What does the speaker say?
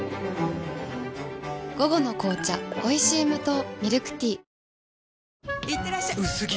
午後の紅茶おいしい無糖ミルクティーいってらっしゃ薄着！